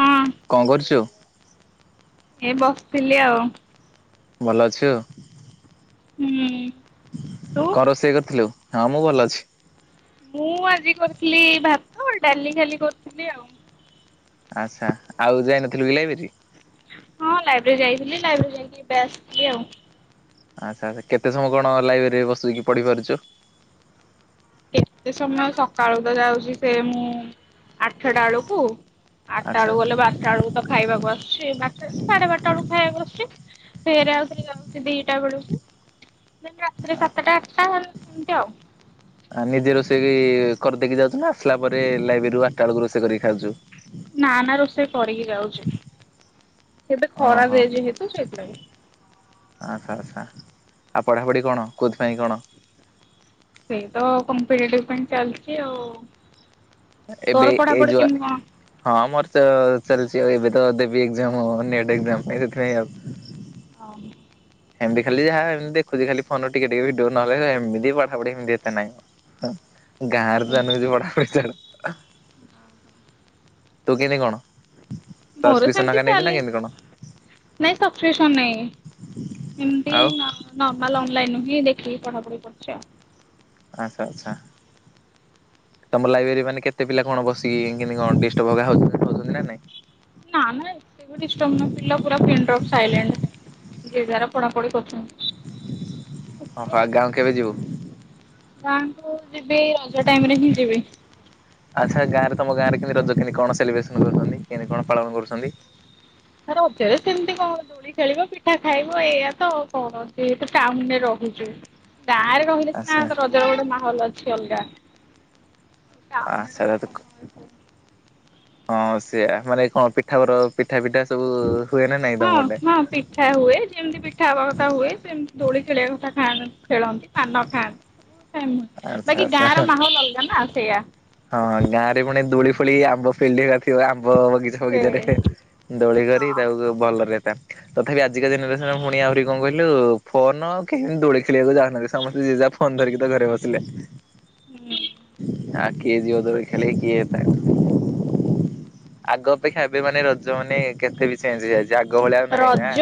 ହଁ କଣ କରୁଛୁ? ଏ ବସିଥିଲି ଆଉ। ଭଲ ଅଛୁ ହୁଁ ତୁ? କଣ ରୋଷେଇ କରିଥିଲୁ? ହଁ ମୁଁ ଭଲ ଅଛି। ମୁଁ ଆଜି କରିଥିଲି ଭାତ ଡାଲି ଖାଲି କରିଥିଲି ଆଉ। ଆଚ୍ଛା ଆଉ ଯାଇନଥିଲୁ କି ଲାଇବ୍ରେରୀ। ହଁ ଲାଇବ୍ରେରୀ ଯାଇଥିଲି ଲାଇବ୍ରେର ଯାଇକି ଏବେ ଆସିଚି ଆଉ। ଆଚ୍ଛା କେତେ ସମୟ କଣ ଲାଇବ୍ରେରୀରେ ବସିକି ପଢିପାରୁଛୁ। କେତେ ସମୟ ସକାଳୁ ତ ଯାଉଛି ସେ ମୁଁ ଆଠଟା ବେଳକୁ। ଆଠ ଟା ଆଚ୍ଛା ବେଳକୁ ଆଚ୍ଛା। ଗଲେ ବାରଟା ବେଳକୁ ତ ଖାଇବାକୁ ଆସୁଛି ବାରଟା ସାଢେ ବାରଟା ବେଳକୁ ଖାଇବାକୁ ଆସୁଛି। ଫେରେ ଆଉ ଥରେ ଯାଉଛି ଦିଟା ବେଳକୁ ରାତିରେ ସାତଟା ଆଠଟା ସେମିତି ଆଉ। ଆ ନିଜେ ରୋଷେଇ କରିଦେଇକି ଯାଉଛୁ ନା ଆସିଲା ପରେ ଲାଇବ୍ରେରୀରୁ ଆଠଟା ବେଳକୁ ରୋଷେଇ କରିକି ଖାଉଛୁ। ନା ନା ରୋଷେଇ କରିକି ଯାଉଛି ସେତ ଓହୋ ଖରାପ ହେଇଛି ତ ସେଇଥିଲାଗି। ଆଚ୍ଛା ଆଚ୍ଛା। ଆଉ ପଢାପଢି କଣ କୋଉଥି ପାଇଁ କଣ? ସେଇ ତ କମ୍ପିଟେଟିଭ ପାଇଁ ଚାଲିଛି ଆଉ ଏବେ ତୋର ଏଇ ପଢାପଢି ଯୋଉ କେମିତି କଣ? ହଁ ମୋର ତ ଚାଲିଛି ଆଉ ଏବେ ତ ଦେବି ଏକ୍ସାମ ନେଟ ଏକ୍ସାମ ସେଥିପାଇଁ ଆଉ। ହଁ ଏମିତି ଖାଲି ଯାହା ଏମିତି ଦେଖୁଛି ଖାଲି ଫୋନରୁ ଟିକେ ଟିକେ ଭିଡିଓ ନହଲେ ଏମିତି ପଢାପଢି ଏମିତି ଏତେ ନାଇଁମ। ଗାଁ ରେ ତ ଜାଣିନୁ ଯୋଉ ବଡା ବଡି [unintelligible] ତୁ କେମିତି କଣ ମୋର ସବସ୍କ୍ରିପସନ ସେମିତି ନ ନେଇଚୁ ନା କେମତି ଚାଲିଛି କଣ? ନାଇଁ ସବସ୍କ୍ରିପସନ ନାଇଁ ଏମତି ଆଉ ନା ନର୍ମାଲ ଅନଲାଇନ ହିଁ ଦେଖିକି ପଢା ପଢି କରୁଛି ଆଉ। ଆଛା ଆଚ୍ଛା। ତମ ଲାଇବ୍ରେରୀ ମାନେ କେତେ ପିଲା କଣ ବିସିକି କେମିତି କଣ ଡିଷ୍ଟବ ହୋଗା ହୋଉଛନ୍ତି ହୋଉଛନ୍ତି ନା ନାଇଁ। ନା ନା ଏତେ ବି ଡିଷ୍ଟର୍ବ ନୁୱେ ପିଲା ପୁରା ପିନ୍ଡପ ସାଇଲେଣ୍ଟ ଯେ ଯାରା ପଢାପଢି କରୁଛନ୍ତି। [inaudible] ଓହୋ ଗାଁ କୁ କେବେ ଯିବୁ? ଗାଁଙ୍କୁ ଯିବି ରଜ ଟାଇମ୍ ରେ ହିଁ ଯିବି। ଆଚ୍ଛା ଗାଁରେ ତମ ଗାଁରେ କେମିତି ରଜ କେମିତି କଣ ସେଲିବ୍ରେସନ କରୁଛନ୍ତି। କେମିତି କଣ ପାଳନ କରୁଛନ୍ତି? ଆରେ ରଜରେ ସେମିତି କଣ ଦୋଳି ଖେଳିବ ପିଠା ଖାଇବ ଏଇଆ ତ କଣ ଅଛି ତ ଟାଉନରେ ରହୁଛ ଗାଁରେ ରହିଲେ ସିନା ଆଚ୍ଛା ରଜର ଗୋଟେ ମାହଲ ଅଛି ଅଲଗା। ଆ ଟାଉନରେ ରହିଲେ କଣ ସେଟାଖ ଅଳ୍ପ ହଁ ସେଇଆ ମାନେ କଣ ପିଠାର ପିଠା ଫିଠା ହଁ ହଁ ପି ପିଠା ହୁଏ ଯେମିତି ପିଠା ହବା କଥା ହୁଏ ସେମତି ଦୋଳି ଖେଳିବା କଥା ଖା ଖେଳନ୍ତି ପାନ ଖାଆନ୍ତି। [inaudible] ଆଚ୍ଛା ବାକି ଗାଁ ଆଚ୍ଛା। ର ମାହୋଲ ଅଲଗା ନା ସେଇଆ। ହଁ ଗାଁ ରେ ପୁଣି ଦୋଳି ଫୋଳି ଆମ୍ବ ଫେ ଥିବ ଆମ୍ବ ବଗିଚା ସେ ଫଗିଚାରେ ଦୋଳି କରି ହଁ ତାକୁ ଭଲରେ ତା ତଥାପି ଆଜିକା ଜେନେରେସନରେ ପୁଣି ଆହୁରି କଣ କହିଲୁ ଫୋନ୍ କେହିବି ଦୋଳି ଖେଳିବାକୁ ଯାଉନାହାନ୍ତି। ସମସ୍ତେ ଜେଝା ଫୋନ୍ ଫୋନ୍ ଧରିକି ତ ଘରେ ବସିଲେ। ହୁଁ ଆ କିଏ ଯିବ ଦୋଳି ଖେଳି କିଏ ତା ଆଗ ଅପେକ୍ଷା ଏବେ ମାନେ ରଜ ମାନେ କେତେ ବି ଚେଞ୍ଜ ହେଇଯାଇଛି ଆଗ ଭଳିଆଉ ନାହିଁ ନା।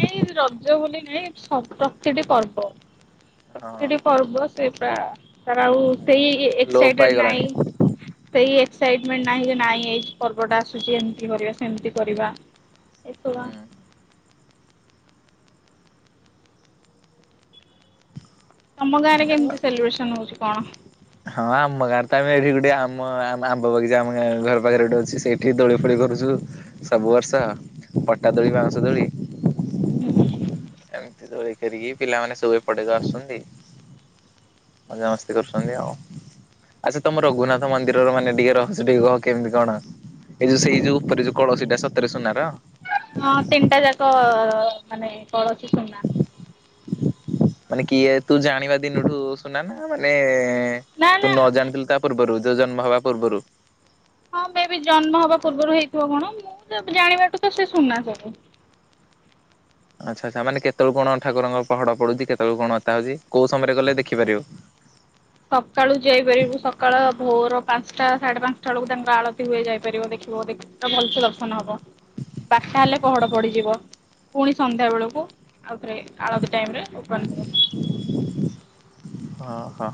ଏଇ ରଜ ବୋଲି ନାଇଁ ସ ପ୍ରତିଟି ପର୍ବ ପ୍ରତିଟି ହଁ ପର୍ବ ସେ ପା ତାର ଆଉ ସେଇ ଲୋପ ଏକ୍ସାଇଟେଡ ପାଇଗଲାଣି ନାହିଁ। ସେଇ ଏକ୍ସାଇଟମେଣ୍ଟ ନାହିଁ ଯେ ନାଇଁ ଏଇ ପର୍ବଟା ଆସୁଛି ଏମିତି କରିବା ସେମିତି କରିବା। ହୁଁ। ଏସବୁ ତମ ଗାଁ ରେ ହୁଁ। କେମିତି ସେଲିବ୍ରେସନ ହଉଛି କଣ? ହଁ ଆମ ଗାଁ ରେ ତ ଏବେ ଏଠି ଗୋଟେ ଆମ ଆମ୍ବ ବଗିଚା ଆମ ଗା ଘର ପାଖରେ ଗୋଟେ ଅଛି ସେଇ ଏଇ ଦୋଳି ଫୋଳି କରୁଛୁ ସବୁ ବର୍ଷ। ପଟା ଦୋଳି ବାଉଁଶ ଦୋଳି। ହୁଁ। ଏମିତି ଦୋଳି ଖେଳିକି ପିଲାମାନେ ସବୁ ଏପଟେ ତ ଆସୁଛନ୍ତି। ମଜାମସ୍ତି କରୁଛନ୍ତି ଆଉ। ଆଚ୍ଛା ତମ ରଘୁନାଥ ମନ୍ଦିରର ମାନେ ଟିକେରହସ୍ୟ ଟିକେ କହ କେମିତି କଣ? ଏଇ ଯୋଉ ସେଇ ଯୋଉ ଉପରେ ଯୋଉ କଳସୀ ଟା ସତରେ ସୁନାର। ହଁ ତିନିଟା ଯାକ ମାନେ କଳସୀ ସୁନା। ମାନେ କିଏ ତୁ ଜାଣିବା ଦିନଠୁ ସୁନା ନା ମାନେ ନା ନା ତୁ ନ ଜାଣିଥିଲୁ ତା ପୂର୍ବରୁ ତୋ ଜନ୍ମ ହେବା ପୂର୍ବରୁ। ହଁ ମେ ବି ଜନ୍ମ ହବା ପୂର୍ବରୁ ହେଇଥିବ କଣ। ମୁଁ ତ ଜାଣିବାଠୁ ତ ସେ ସୁନା ସବୁ। ଆଚ୍ଛା ଆଚ୍ଛା। ମାନେ କେତେବେଳ କଣ ଠାକୁରଙ୍କ ପହଡ ପଡୁଛି। କେତେବେଳୁ କଣ ଥା ହଉଛି କୋଉ ସମୟରେ ଗଲେ ଦେଖିପାରିବୁ। ସକାଳୁ ଯାଇପାରିବୁ। ସକାଳ ଭୋର ପାଞ୍ଚଟା ସାଢେ ପାଞ୍ଚଟା ବେଳକୁ ତାଙ୍କ ଆଳତି ହୁଏ ଯାଇପାରିବ। ଦେଖିବ ଦେଖିବୁ। ଭଲସେ ଦର୍ଶନ ହବ। ବାର ଟା ହେଲେ ପହଡ ପଡିଯିବ। ପୁଣି ସନ୍ଧ୍ୟାବେଳକୁ ଆଉ ଥରେ ଆଳତି ଟାଇମ୍ ରେ ଓପନ ହେବ। ଓ ହୋ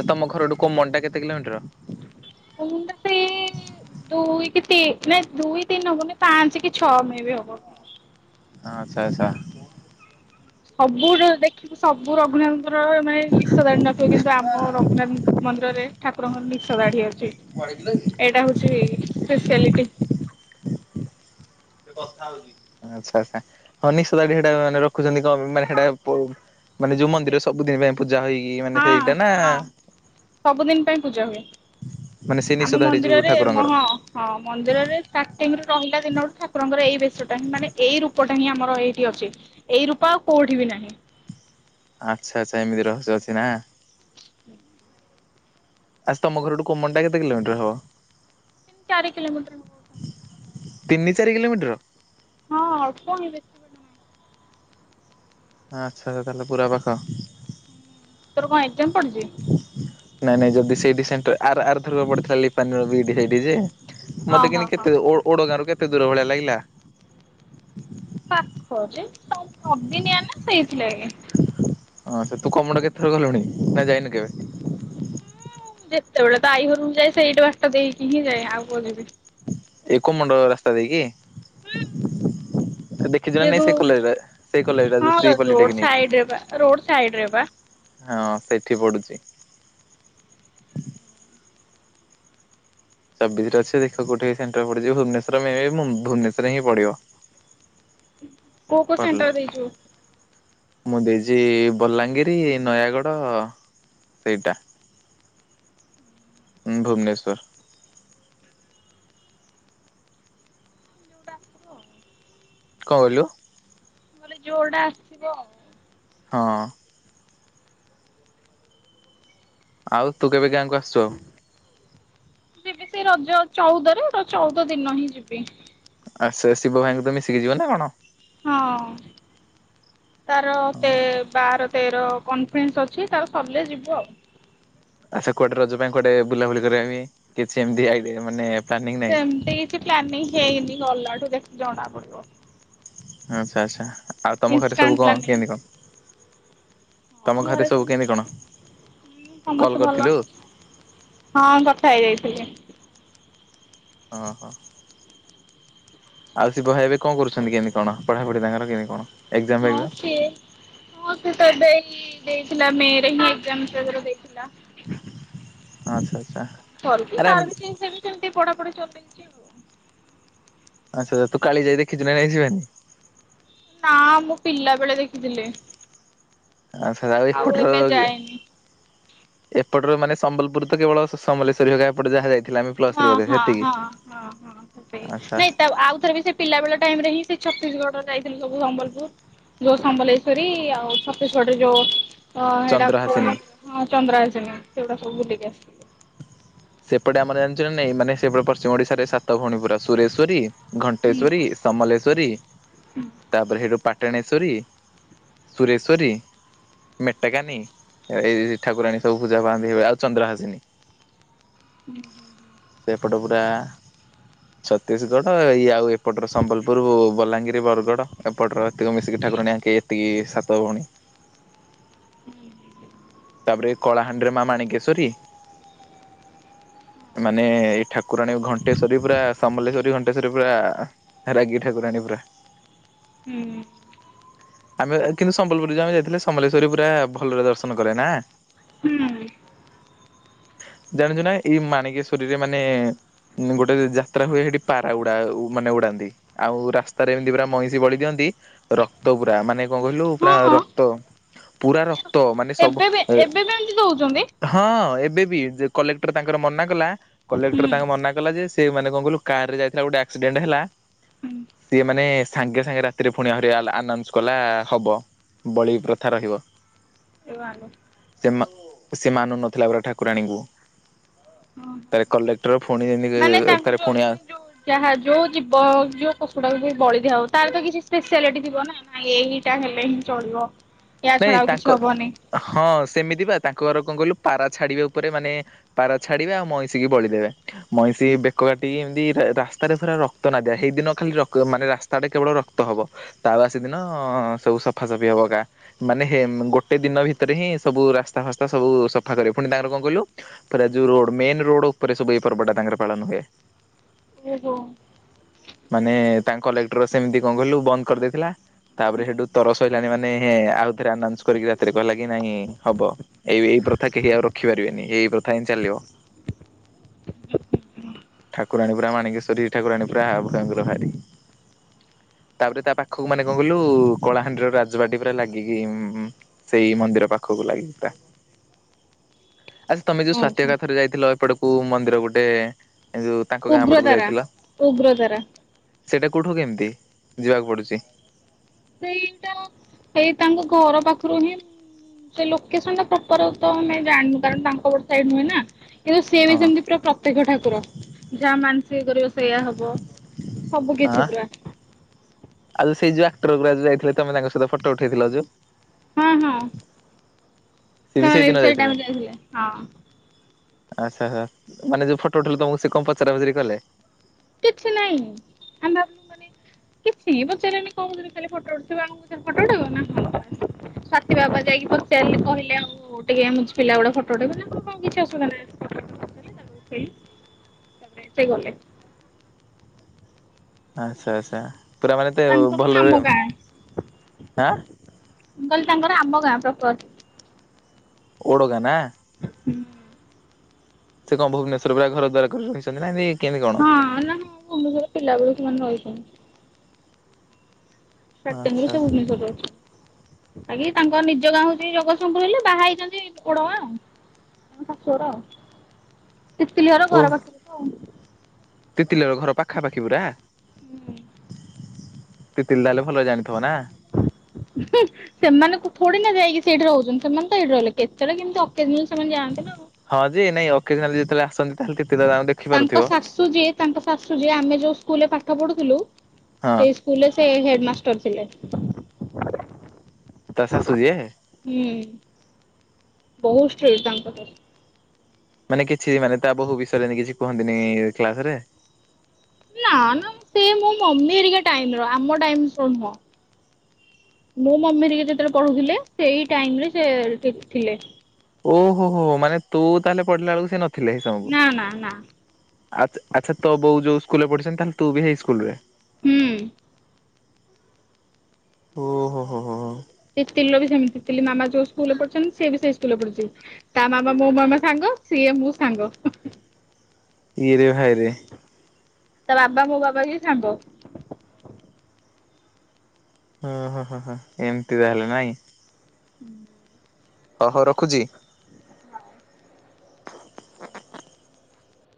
ଆ ତମ ଘରଠୁ କୋମଣ୍ଟା କେତେ କିଲୋମିଟର? କୋମଣ୍ଟା ସେଇ ଦୁଇ କି ତି ନାଇଁ ଦୁଇ ତିନି ହବନି। ପାଞ୍ଚ କି ଛଅ ମେ ବି ହବ। ଆଚ୍ଛା ଆଚ୍ଛା। ସବୁ ଦେଖିବୁ ସବୁ ରଘୁନାଥଙ୍କର ମାନେ ନିଶ ଦାଢି ନଥିବ। କିନ୍ତୁ ଆମ ରଘୁନାଥ ମନ୍ଦିରରେ ଠାକୁରଙ୍କର ନିଶ ଦାଢି ଅଛି। [unintelligible] ଏଇଟା ହଉଛି ସ୍ପେଶିଆଲିଟି। ସେ କଥା ହଉଛି। ଆଚ୍ଛା ଆଚ୍ଛା। ହଁ ନିଶ ଦାଢ଼ି ସେଟା ମାନେ ରଖୁଛନ୍ତି। କଣ ମାନେ ସେଟା ମାନେ ପ ଯୋଉ ମନ୍ଦିର ସ ସବୁଦିନ ପାଇଁ ପୂଜା ହଇ ମାନେ ହଁ ସେଇଟା ନା ହଁ ସବୁଦିନ ପାଇଁ ପୂଜା ହୁଏ ମାନେ ସେ ଆମ ନିଶ ଦାଢ଼ି ଯୋଉ ମନ୍ଦିରରେ ହଁ ଠାକୁରଙ୍କର। ହଁ ମନ୍ଦିରରେ ଷ୍ଟାର୍ଟିଂରୁ ରହିଲା ଦିନରୁୁ ଠାକୁରଙ୍କର ଏଇ ବେଶଟା ହିଁ ମାନେ ଏଇ ରୂପଟା ହିଁ ଆମର ଏଇଠି ଅଛି। ଏଇ ରୂପ ଆଉ କୋଉଠି ବି ନାହିଁ। ଆଚ୍ଛା ଆଚ୍ଛା ଏମିତି ରହସ୍ୟ ଅଛି ନା। ଆଚ୍ଛା ତମ ଘର ଠୁ କୋମଣ୍ଡା କେତେ କିଲୋମିଟର ହବ? ଚାରି କିିଲୋମିଟର ହବ। ତିନି ଚାରି କିଲୋମିଟର? ହଁ ଅଳ୍ପ ହିଁ ବେ ହଁ ଆଚ୍ଛା ଆଛା ତାହେଲେ ପୁରା ପାଖ। ତୋର କଣ ଏକ୍ସାମ୍ ପଡ଼ିଛି? ନାଇଁ ନାଇଁ ଯଦି ସେଇଠି ସେଣ୍ଟର ଆ ଆର ଥରକ ପଡିଥିଲା ଲିପାନ୍ ର ସେଇଠି ଯେ ମତେ ଓହୋ କିିନ୍ତି ହୋ କେତେ ଓ ଓଡ଼ଗାଁରୁ କେତେ ଦୂର ଭଳିଆ ଲାଗିଲା। ପାଖ ଯେ ତମେ ଅଦିନିଆ ନା ସେଇଥିଲାଗି। ହଁ ସେ ତୁ କମଣ୍ଡ କେତେଥର ଗଲୁଣି ନା ଯାଇନୁ କେବେ? ଯେତେବେଳେ ତ ଆଈ ଘରକୁ ଯାଏ, ସେଇଟା ବାଟଦେଇକି ହିଁ ଯାଏ। ଆଉ କୁଆଡେ ଯିବି। ଏ କମୁଣ୍ଡ ରାସ୍ତା ଦେଇକି? ଦେ କିଛି [unintelligible] ନାଇଁ ଯେହେତୁ ସେ କଲେଜରେ ସେଇ କଲେଜ ଟା ହଁ ଯୋଉ ଶ୍ରୀ ପଲ୍ଲୀ ରୋଡ ଟେକ୍ନିକ। ସାଇଡରେ ବା ରୋଡ ସାଇଡରେ ବା ହଁ ସେଠି ପଢ଼ୁଚି। ଚବିଶରେ ଅଛି ଦେଖ କୋଉଠି ସେଣ୍ଟର ପଡିଯିବ? ଭୁବନେଶ୍ୱର ମେ ବି ଭୁବନେଶ୍ୱରରେ ହିଁ ପଡିବ। କୋଉ କୋଉ ପଢିଲେ। ସେଣ୍ଟର ଦେଇଚୁ? ମୁଁ ଦେଇଛି ବଲାଙ୍ଗିର, ନୟାଗଡ ସେଇଟା ହୁଁ ଭୁବନେଶ୍ୱର। କଣ କହିଲୁ? ମୁଁ କହିଲି ଯୋଉଟା ଆସିବ ଆଉ। ହଁ। ଆଉ ତୁ କେବେ ଗାଁକୁ ଆସୁଚୁ? ଯିବି ସେ ରଜ ଚଉଦରେ, ଚଉଦ ଦିନ ହିଁ ଯିବି। ଆ ସେ ଶିବ ଭାଇଙ୍କୁ ତ ମିଶିକି ଯିବ ନା କଣ? ହଁ ତାର ହଁ ତେ ବାର ତେର କନଫରେନ୍ସ ଅଛି ତାର ସରିଲେ ଯିବୁ ଆଉ। ଆଚ୍ଛା କୁଆଡେ ରଜ ପାଇଁ, କୁଆଡେ ବୁଲାବୁଲି କରିବା ପାଇଁ କିଛି ଏମିତି ଆଇଡିଆ ମାନେ ପ୍ଲାନିଂ ନାହିଁ? ସେମତି କିଛି ପ୍ଲାନିଂ ହେଇନି, ଗଲାଠୁ ଦେ [unintelligible] ଜଣା ପଡିବ। ଆଚ୍ଛା ଆଚ୍ଛା ଆଉ ତମ ଘରେ ଇନଷ୍ଟାଣ୍ଟ ସବୁ କଣ ପ୍ଲାନିଂ କେନ୍ତି କଣ? ତମ ହଁ ଘରେ ସବୁ କେମିତି ସମସ୍ତେ କଣ? ହୁଁ କଲ୍ ସମସ୍ତେ ଭଲ। କରିଥିଲୁ ହଁ କଥା ହେଇଯାଇଥିଲି। ଅଁ ହ। ଆଉ ଶିବ ଭାଇ ଏବେ କଣ କରୁଛନ୍ତି କେମତି କଣ ପଢା ପଢି ତାଙ୍କର କେମତି କଣ? ଏକ୍ଜାମ ହଁ ଫେକ୍ଜାମ ସିଏ ହଁ ସିଏତ ଏବେ ଏଇ ଦେଇଥିଲା ମେ ରେ ହିଁ ଏକ୍ଜାମ [unintelligible] ଦେଇଥିଲା। ଆଚ୍ଛା ଆଚ୍ଛା। କରୁଚି ଆରେ ତାର ଆମେ ବି ସିଏ ବି ଯେମିତି ସେମିତି ପଢାପଢି ଚଲେଇଛି ଆଉ। ଆଚ୍ଛା ତୁ କାଳିଜାଇ ଦେଖିଚୁ ନା ନାଇଁ ଶିବାନି? ନା ମୁଁ ପିଲା ବେଳେ ଦେଖିଥିଲି। ଆଚ୍ଛା ତାହେଲେ ଆଉ ଏପଟର ଏବେ ଇଏ ଯାଏନି। ଏପଟରୁ ମାନେ ସମ୍ବଲପୁର ତ କେବଳ ସ ସମଲେଶ୍ୱରୀ ହଗା ଏପଟେ ଯାହା ଯାଇ ହଁ ହଁ ହଁ ହଁ ହଁ [unintelligible] ଆଚ୍ଛା ନାଇଁ ତ ଆଉଥର ବି ସେ ପିଲା ବେଳ ଟାଇମ୍ ରେ ହିଁ ସେ ଛତିଶଗଡ ଯାଇଥିଲୁ ସବୁ ସମ୍ବଲପୁର ଯୋଉ ସମ୍ବଲେଶ୍ଵରୀ ଆଉ ଛତିଶଗଡ଼ରେ ଯୋଉ ତ ହେଟା ଚନ୍ଦ୍ରହାସିନୀ। କଣ ହଁ ଚନ୍ଦ୍ରାୟ ସେନ ସେଗୁଡ଼ା ସବୁ ବୁଲିକି ଆସିଲୁ। ସେପଟେ ଆମର ଜାଣିଛ ନା ନାଇଁ ମାନେ ସେପଟେ ପଶ୍ଚିମ ଓଡିଶାରେ ସାତ ଭଉଣୀ ପୁରା ସୁରେଶ୍ଵରୀ ଘଣ୍ଟେଶ୍ଵରୀ, ସମଲେଶ୍ଵରୀ ତାପରେ ହେଇଠୁ ପାଟଣେଶ୍ଵରୀ ସୁରେଶ୍ଵରୀ ମେଟାକାନୀ ଏ ଏଇ ଠାକୁରାଣୀ ସବୁ ପୂଜା ପାଆନ୍ତି ଆଉ ଚନ୍ଦ୍ରହାସିନୀ। ଉଁ ହୁଁ। ସେପଟ ପୁରା ଛତିଶଗଡ଼ ଇଏ ଆଉ ଏପଟର ସମ୍ବଲପୁର, ବଲାଙ୍ଗୀର, ବରଗଡ଼ ଏପଟର ଏତିକ ମିଶିକି ଠାକୁରାଣୀ ଆଙ୍କେ ତି ସାତ ଭଉଣୀ। ତାପରେ ଏ କଳାହାଣ୍ଡି ରେ ମା ମାଣିକେଶ୍ଵରୀ ମାନେ ଏଇ ଠାକୁରାଣୀ ଘଣ୍ଟେଶ୍ଵରୀ ପୁରା ସମଲେଶ୍ଵରୀ, ଘଣ୍ଟେଶ୍ଵରୀ ପୁରା ରାଗି ଠାକୁରାଣୀ ପୁରା। ହୁଁ। ଆମେ କିନ୍ତୁ ସମ୍ବଲପୁର ଯୋଉ ଆମେ ଯାଇଥିଲେ ସମଲେଶ୍ଵରୀ ପୁରା ଭଲରେ ଦର୍ଶନ କରେ ନା? ହୁଁ ହୁଁ। ଜାଣିଚୁ ନା ଏଇ ମାଣିକେଶ୍ୱରୀ ରେ ମାନେ ଉଁ ଗୋଟେ ଯାତ୍ରା ହୁଏ ହେଠି ପାରା ଉଡା ଉ ମାନେ ଉଡାନ୍ତି। ଆଉ ରାସ୍ତାରେ ଏମିତି ପୁରା ମଇଁଷି ବଳି ଦିଅନ୍ତି ରକ୍ତ ଗୁରା ମାନେ କଣ କହିଲୁ ପୁରା ହଁ ରକ୍ତ ପୁରା ର କ୍ତ ମାନେ ସବୁ ଏବେ ବି ଏବେ ବି ଏମିତି ଦଉଛନ୍ତି? ହଁ ଏବେ ବି ଯେ କଲେକ୍ଟର ତାଙ୍କର ମନା କଲା କଲେକ୍ଟର ହୁଁ। ତାଙ୍କୁ ମନା କଲା ଯେ ସେ ମାନେ କଣ କଇଲୁ କାର୍ ରେ ଯାଇଥିଲା ଗୋଟେ ଆକ୍ସିଡେଣ୍ଟ ହେଲା ସିଏ ମାନେ ସାଙ୍ଗେ ସାଙ୍ଗେ ରାତିରେ ଫୁଣି ଆହୁରି ଆଲା ଆନାଉନ୍ସ କଲା ହବ। ବଳି ପ୍ରଥା ରହିବ। ଏ ଆଲୋ ସେ ମା ସେ ମାନୁ ନଥିଲା ପରା ଠା କୁରାଣୀଙ୍କୁ ତାରେ କଲେକ୍ଟର ଫୁଣି ଯେମିତି ମାନେ ତାଙ୍କୁ ତାରେ ଯୋଉ ଫୁଣି ଆ ମାନେ ଯୋଉ ଯାହା ଯୋଉ ଜୀବ ଯୋଉ ପଶୁ ଟାକୁ ଯୋଉ ବଳି ଦିଆ ହବ ତାର ତ କିଛି ସ୍ପେସିଆଲିଟି ଥିବ ନା? ନାଁ ଏହିଟା ହେଲେ ହିଁ ଚଳିବ। ୟା ଛଡା ନାଇଁ ଆଉ କିଛି ତାଙ୍କ ହବନି। ହଁ ସେମିତି ବା ତାଙ୍କଘର କଣ କହିଲୁ ପାରା ଛାଡିବେ ଉପରେ ମାନେ ପାରା ଛାଡିବେ ଆଉ ମଇଁଷି କି ବଳିଦେବେ। ମଇଁଷି ବେକ କାଟିକି ଏମିତି ରା ରାସ୍ତାରେ ପୁରା ର କ୍ତ ନାଗା ହେଇଦିନ ଖାଲି ରକ ମାନେ ରାସ୍ତାରେ କେବଳ ରକ୍ତ ହବ। ତା ବାସିଦିନ ସବୁ ସଫାସଫି ହବ ଗାଁ। ମାନେ ହେ ଗୋଟେ ଦିନ ଭିତରେ ହିଁ ସବୁ ରାସ୍ତା ଫାସ୍ତା ସବୁ ସଫା କରେ, ପୁଣି ତାଙ୍କର କଣ କହିଲୁ ଫେରେ ଯୋଉ ରୋଡ ମେନ ରୋଡ ଉପରେ ସବୁ ଏଇ ପର୍ଵ ଟା ତାଙ୍କର ପାଳନ ହୁଏ। ଓହୋ। ମାନେ ତାଙ୍କ କଲେକ୍ଟର ସେମିତି କଣ କହିଲୁ ବନ୍ଦ କରିଦେଇଥିଲା। ତାପରେ ସେଠୁ ତରସ ହେଲାଣି ମାନେ ଆଉଥରେ ଆନାଉସ କରିକି ରାତି କହିଲା କି ନାଇଁ ହବ। ଏଇ ଏଇ ପ୍ରଥା କେହି ଆଉ ରଖିପାରିବେନି ଏଇ ପ୍ରଥା ଏମିତି ଚାଲିବ। ଠାକୁରାଣୀ ପରା ମାଣିକେଶ୍ୱରୀ ଠାକୁରାଣୀ ପୁରା ଭ ୟଙ୍କର ଭାରି। ତାପରେ ତା ପାଖକୁ ମାନେ କଣ କଇଲୁ କଳାହାଣ୍ଡିର ରାଜବାଟି ପୁରା ଲାଗିକି ମ ସେଇ ମନ୍ଦିର ପାଖକୁ ଲାଗିିକି ପୁରା। ଆରେ ତମେ ଯୋଉ ସ୍ଵାତି ଓହୋ ହରିକା ଥରେ ଯାଇଥିଲ ଏପଟେ କୋଉ ମନ୍ଦିର ଗୋଟେ ଏ ଯୋଉ ତାଙ୍କ ଗାଁ ପଟକୁ ଉଗ୍ରତାରା, ଯାଇଥିଲ ଉଗ୍ରତାରା। ସେଇଟା କୋଉଠୁ କେମିତି ଯିବାକୁ ପଡୁଛି। ସେଇଟା। ହେଇ ତାଙ୍କ ଘର ପାଖରୁ ହିଁ। ସେଇ ଲୋକେସନ ଟା ପ୍ରପର ଉତ୍ତ ଆମେ ଜାଣିପାରୁନୁ କାରଣ ତାଙ୍କ ପଟ ସାଇଡ ନୁହେଁ ନା। କିନ୍ତୁ ସିଏ ବି ହଁ ସେମିତି ପୁରା ପ୍ରତ୍ୟକ୍ଷ ଠାକୁର ଯାହା ମାନସିକ କରିବ ସେୟା ହବ। ସବୁ ଆଁ? କିଛି ପୁରା। ଆଉ ଯୋଉ ସେଇ ଯୋଉ ଆକ୍ଟର ଗୁଡା ଯାଇଥିଲେ ତମେ ତାଙ୍କ ସହିତ ଫଟ ଉଠେଇଥିଲ ଯୋଉ। ହ, ହ। ସେ ବି ସେଇ ଦିନ ଯାଇଥିଲେ। ଟାଇମରେ ହଁ ଆଛା! ଆଚ୍ଛା! ମାନେ ଯୋଉ ଫଟୋ ଉଠେଇଲେ ତମକୁ ସେ କଣ ପଚରା ପଚରି କଲେ। କିଛି ନାଇଁ ଆମେ କିଛି ପଚାରିଲେନି କଣ କହିବେ ଖାଲି ଫଟୋ ଉଠେଇବ ଆମକୁ ପଚାରିଲେ ଫଟୋ ଉଠେଇବ ନା ହଁ। ସ୍ଵାତି ବାବା ଯାଇକି ପଚାରିଲେ କହିଲେ ଆମକୁ। ମୁଁ ଟିକେ ଆମ ପିଲା ଗୁଡା ଫଟୋ ଉଠେଇବେ ନାଁ, ହଁ କିଛି ଅସୁବଧା ନାହିଁ। [unintelligible] ସେ ଗଲେ। ଆଚ୍ଛା! ଆଚ୍ଛା! ପୁରା ମାନେ ତ ତାଙ୍କର ଭଲରେ ଆମ ଗାଁ ଆଁ ମୁ କହିଲି ତାଙ୍କର ଆମ ଗାଁ ପ୍ରପର୍। ଓଡ ଗାଁ ନା। ହୁଁ,। ସେ କଣ ଭୁବନେଶ୍ୱର ପୁରା ଘର ଦ୍ୱାର କରି ରହିଛନ୍ତି ନା ରେ ହଁ ନା ହଁ ଭୁବନେଶ୍ୱର ରେ ପିଲା ବେଳୁ ସେମାନେ ରହିଛନ୍ତି। ସେଟିଂ ଆଚ୍ଛା ହେଇ ଆଚ୍ଛା ସବୁ ଭୁବନେଶ୍ୱର ଆଗେ ତାଙ୍କ ନିଜ ଗାଁ ହଉଛି ଜଗସିଂହପୁର ହେଲେ ବାହା ହେଇଛନ୍ତି ଓଡ଼ ଗାଁ ଆଉ। ତା ଶାଶୁଘର ଆଉ ତିତିଲି ହର ଘର ପାଖରେ ତ ଆଉ। ତିତିଲି ହର ଘର ପାଖାପାଖି ପୁରା। ହୁଁ ତି ତିଲି ତାହେଲେ ଭଲ ଜାଣିଥିବ ନା ହିଁ ସେମାନଙ୍କୁ ଥୋଡି ନା ଯାଇକି ସେଇଠି ରହୁଛନ୍ତି ସେମାନେ ତ ଏଇଠି ରହିଲେ କେତେବେଳେ କେମିତି ସେମାନେ ଅକେଜନାଲି ଯାଆନ୍ତିନା। ହଁ ଯେ ନାଇଁ ଅକେଜନାଲ୍ ଯେତେବେଳେ ଆସନ୍ତି ତାହାଲେ ତିତୀଲି ଘର ତାଙ୍କୁ ଦେଖ ତାଙ୍କ ଶାଶୁ ଯିଏ ତାଙ୍କ ଶାଶୁ ଯିଏ ଆମେ ଯୋଉ ସ୍କୁଲରେ ପାଠ ପଢୁଥିଲୁ ହଁ ସେ ସ୍କୁଲ ରେ ସେ ହେଡମାଷ୍ଟର ଥିଲେ। ତା ଶାଶୁ ଯିଏ? ହୁଁ ବହୁତୁ ଷ୍ଟ୍ରିଟ ତାଙ୍କ ଶାଶୁ। ମାନେ କିଛି ମାନେ ତା ବୋହୁ ବିଷୟରେ ନେଇକି କିଛି କୁହନ୍ତିନି କ୍ଲାସ ରେ? ନା ନା ସେ ମୋ ମମି ହେରିକା ଟାଇମି ର ଆମ ଟାଇମି ନୁହଁ। ମୋ ମମି ଟିକେ ଯେତେବେଳେ ପଢୁଥିଲେ ସେଇ ଟାଇମି ରେ ସେ ଥିଲେ। ଓହୋ ହୋ ହୋ ମାନେ ତୁ ତାହେଲେ ପଢିଲା ବେଳକୁ ସେ ନଥିଲେ ହ ସମୟକୁ। ନା ନା ନା ଆ ଆଛା ତୋ ବୋଉ ଯୋଉ ସ୍କୁଲ ରେ ପଢିଛନ୍ତି ତାହେଲେ ତୁ ହେଇ ସ୍କୁଲ ରେ। ହୁଁ। ଓ ହୋ ହୋ ହୋ। ସେ ପିଲୋ ବି ସେମିତି ଥିଲି ମାମା ଯୋଉ ସ୍କୁଲ ରେ ପଢୁଛନ୍ତି ସିଏ ବି ସେଇ ସ୍କୁଲ ପଢୁଚି। ତା ମାମା ମୋ ମାମା ସାଙ୍ଗ ସିଏ ମୁଁ ସାଙ୍ଗ। ଇରେ ଭାଇରେ। ତା ବାବା ମୋ ବାବା ବି ସାଙ୍ଗ। ଓ ହୋ ହୋ ହୋ ଏମିତି ତା ହେଲେ ନାଇଁ। ହୁଁ। ଅହ ରଖୁଚି।